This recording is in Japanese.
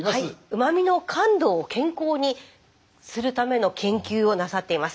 うま味の感度を健康にするための研究をなさっています